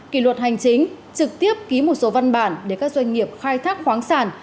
kỷ luật hành chính trực tiếp ký một số văn bản để các doanh nghiệp khai thác khoáng sản